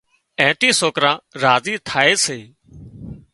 اين ٿي سوڪران راضي ٿائي سي